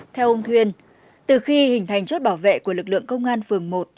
theo ông thuyên từ khi hình thành chốt bảo vệ của lực lượng công an phường một